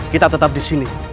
kita tetap di sini